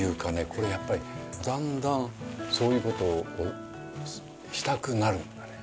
これやっぱりだんだんそういう事をしたくなるんだね。